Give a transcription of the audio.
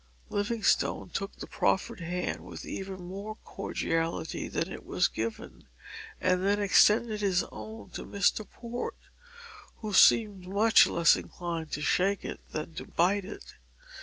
Livingstone took the proffered hand with even more cordiality than it was given, and then extended his own to Mr. Port who seemed much less inclined to shake it than to bite it.